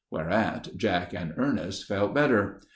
Whereat Jack and Ernest felt better.